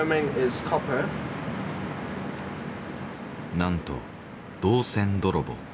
なんと銅線泥棒。